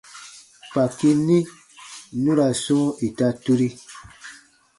Kpaki ni nu ra sɔ̃ɔ ita turi.